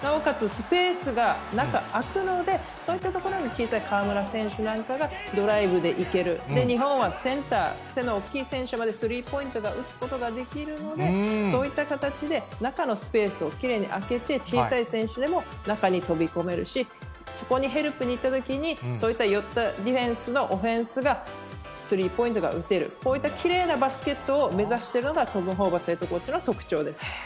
スペースが中あくので、そういったところに小さい河村選手なんかがドライブでいける、日本はセンター、背の大きい選手までスリーポイントを打つことができるので、そういった形で中のスペースをきれいに空けて、小さい選手でも中に飛び込めるし、そこにヘルプに行ったときに、そういった寄ったディフェンスのオフェンスがスリーポイントが打てる、こういったきれいなバスケットを目指しているのがトム・ホーバスヘッドコーチの特徴です。